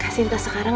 kasih entah sekarang